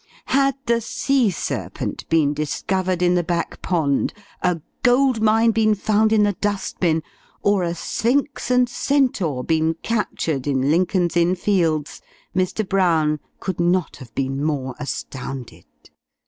Had the sea serpent been discovered in the back pond, a gold mine been found in the dust bin, or a Sphinx and Centaur been captured in Lincoln's Inn Fields, Mr. Brown could not have been more astounded!